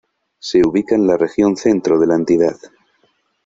Se ubica en la región Centro de la entidad.